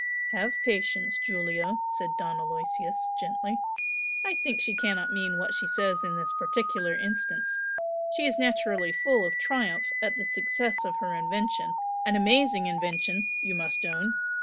"Have patience, Giulio!" said Don Aloysius, gently "I think she cannot mean what she says in this particular instance. She is naturally full of triumph at the success of her invention, an amazing invention you must own!